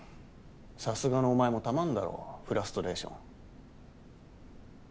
さすがのおまえも溜まるだろフラストレーション。